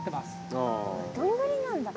どんぐりなんだ。